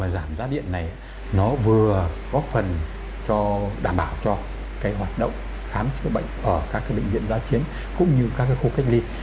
giảm giá điện này nó vừa góp phần cho đảm bảo cho hoạt động khám chữa bệnh ở các bệnh viện giá chiến cũng như các khu cách ly